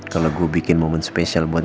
kalau gue bikin momen spesial buat